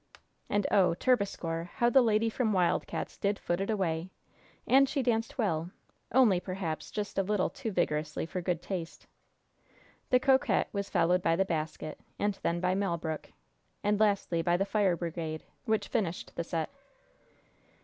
And, oh Terpsichore, how the lady from Wild Cats' did foot it away! And she danced well only, perhaps, just a little too vigorously for good taste. The "Coquette" was followed by the "Basket," and then by "Malbrook," and lastly by the "Fire Brigade," which finished the set.